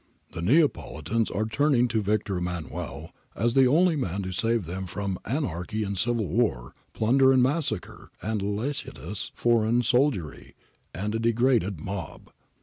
The Neapolitans are turning to Victor Emmanuel as to the only man to save them from ' anarchy and civil war, plunder and massacre, a licentious foreign soldiery, and a de graded mob.'